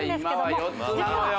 今は４つなのよ